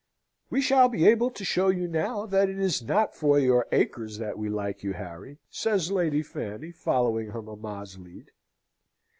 "We shall be able to show now that it is not for your acres that we like you, Harry!" says Lady Fanny, following her mamma's lead.